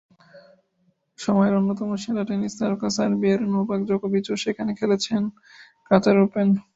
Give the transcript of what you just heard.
সময়ের অন্যতম সেরা টেনিস তারকা সার্বিয়ার নোভাক জোকোভিচও সেখানে খেলছেন কাতার ওপেনে।